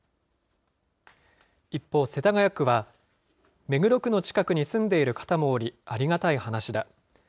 一方、世田谷区は目黒区の近くに住んでいる方もおり、ありがたい話だ。